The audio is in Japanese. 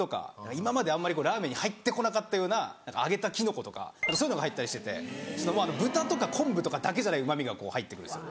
今までラーメンに入ってこなかったような何か揚げたキノコとか何かそういうのが入ったりしてて豚とかコンブとかだけじゃないうまみが入ってくるんですよ。